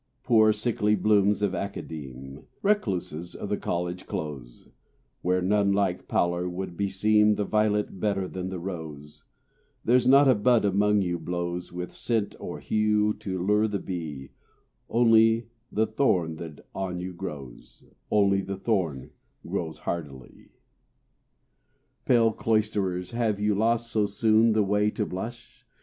Poor, sickly blooms of Academe, Recluses of the college close, Whose nun like pallor would beseem The violet better than the rose: There's not a bud among you blows With scent or hue to lure the bee: Only the thorn that on you grows Only the thorn grows hardily. Pale cloisterers, have you lost so soon The way to blush?